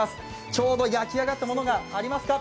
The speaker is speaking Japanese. ちょうど焼き上がったものがありますか。